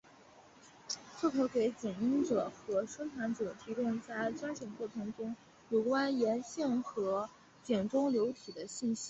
这可给井拥有者和生产者提供在钻井过程中有关岩性和井中流体的信息。